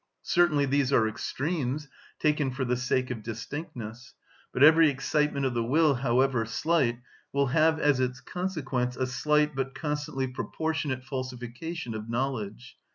Certainly these are extremes, taken for the sake of distinctness; but every excitement of the will, however slight, will have as its consequence a slight but constantly proportionate falsification of knowledge.